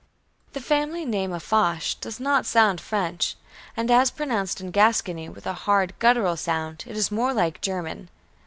The family name of Foch does not sound French, and as pronounced in Gascony with a hard guttural sound it is more like German.